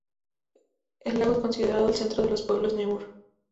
El lago es considerado el centro de los pueblos nuer.